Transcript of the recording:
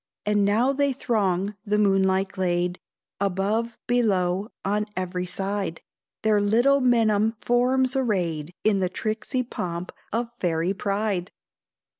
And now they throng the moonlight glade, Above below on every side, Their little minim forms arrayed In the tricksy pomp of fairy pride!